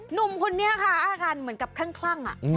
หนุ่มคนนี้ค่ะอ้าวกันเหมือนกับขั้นอ่ะ